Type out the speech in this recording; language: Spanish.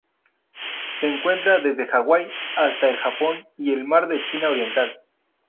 Se encuentra desde Hawaii hasta el Japón y el Mar de la China Oriental.